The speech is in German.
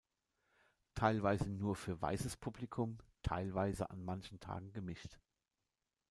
Teilweise nur für „weißes“ Publikum, teilweise an manchen Tagen gemischt.